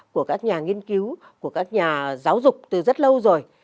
của các nhà nghiên cứu của các nhà giáo dục từ rất lâu rồi